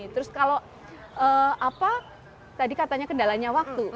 terus kalau apa tadi katanya kendalanya waktu